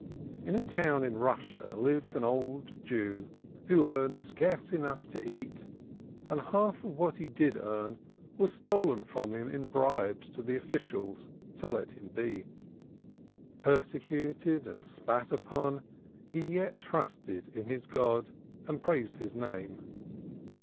In a town in Russia lived an old Jew who earned scarce enough to eat, and half of what he did earn was stolen from him in bribes to the officials to let him be. Persecuted and spat upon, he yet trusted in his God and praised His name.